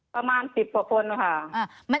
ประมาณ๑๐กว่าคนค่ะ